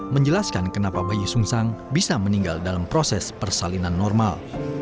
menjelaskan kenapa bayi sungsang bisa meninggal dalam proses persalinan normal